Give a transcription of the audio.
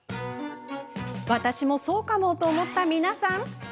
私もそうかも！と思った皆さん。